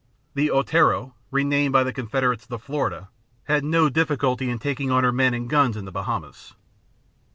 The Otero, renamed by the Confederates the Florida, had no difficulty in taking on her men and guns in the Bahamas.